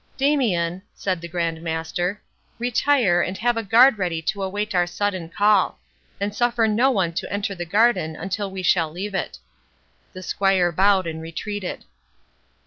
"Damian," said the Grand Master, "retire, and have a guard ready to await our sudden call; and suffer no one to enter the garden until we shall leave it."—The squire bowed and retreated.